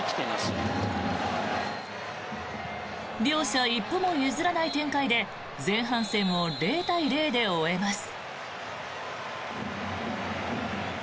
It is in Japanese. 両者一歩も譲らない展開で前半戦を０対０で終えます。